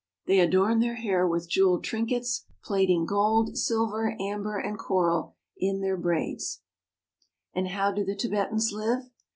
They adorn their hair with jeweled trinkets, plaiting gold, silver, amber, and coral in with their braids. And how do the Tibetans live